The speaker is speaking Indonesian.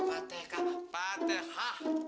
patek kak patehah